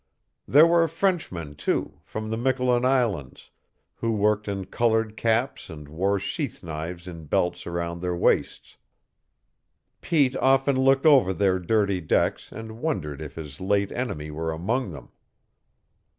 There were Frenchmen, too, from the Miquelon Islands, who worked in colored caps and wore sheath knives in belts around their waists. Pete often looked over their dirty decks and wondered if his late enemy were among them.